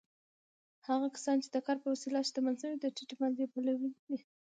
هغه کسان چې د کار په وسیله شتمن شوي، د ټیټې مالیې پلوي دي.